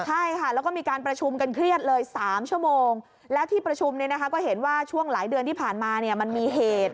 ใช่ค่ะแล้วก็มีการประชุมกันเครียดเลย๓ชั่วโมงแล้วที่ประชุมเนี่ยนะคะก็เห็นว่าช่วงหลายเดือนที่ผ่านมาเนี่ยมันมีเหตุ